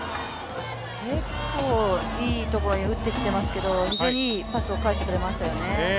結構いいところに打ってきてますけど、非常にいいパスを返してくれましたよね。